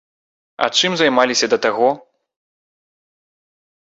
А чым займаліся да таго?